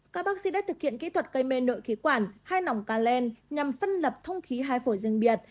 các bác sĩ đã thực hiện kỹ thuật cây mê nội khí quản hai nòng ca len nhằm phân lập thông khí hai phổi riêng biệt